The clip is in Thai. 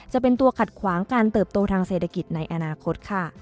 จะเป็นตัวขัดขวางการเติบโตทางเศรษฐกิจในอนาคตค่ะ